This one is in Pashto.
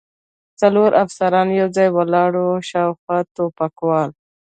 څلور افسران یو ځای ولاړ و، شاوخوا ټوپکوال.